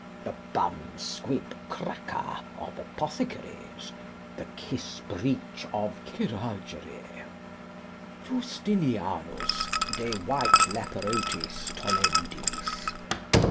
The Bumsquibcracker of Apothecaries. The Kissbreech of Chirurgery. Justinianus de Whiteleperotis tollendis.